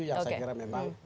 yang saya kira memang